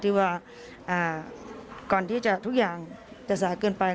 ที่ว่าก่อนที่จะทุกอย่างจะสายเกินไป